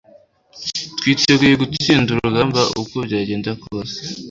twiteguye gutsinda urugamba uko byagenda kose